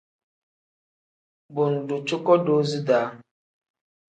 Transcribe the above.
Bo ngdu cuko doozi da.